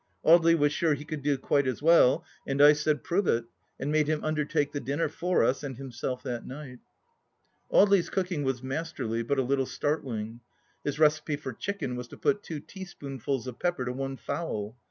Audely was sure he could do quite as well, and I said, Prove it ! and made him imdertake the dinner for us and himself that night. Audely's cooking was mas terly, but a little startling. His recipe for chicken was to put two teaspoonfuls of pepper to one fowl.